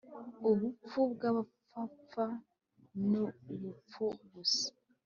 ubupfu bw’abapfapfa ni ubupfu gusa